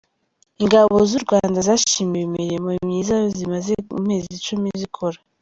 Ingabo z’u Rwanda zashimiwe imirimo myiza zimaze amezi icumi zikora.